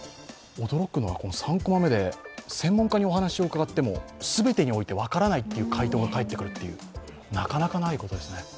驚くのは、３コマ目で専門家にお話を伺っても全てにおいて「分からない」という回答が返ってくるってなかなかないことですね。